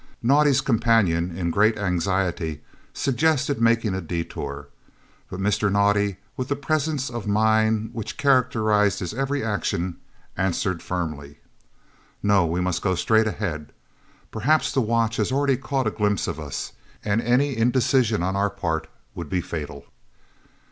Naudé's companion, in great anxiety, suggested making a détour, but Mr. Naudé, with the presence of mind which characterised his every action, answered firmly: "No; we must go straight ahead. Perhaps the watch has already caught a glimpse of us, and any indecision on our part would be fatal."